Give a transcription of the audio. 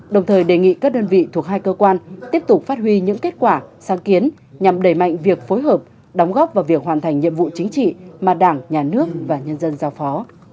đồng thời đề nghị các đơn vị thuộc hai cơ quan tiếp tục phát huy những kết quả sáng kiến nhằm đẩy mạnh việc phối hợp đóng góp vào việc hoàn thành nhiệm vụ chính trị mà đảng nhà nước và nhân dân giao phó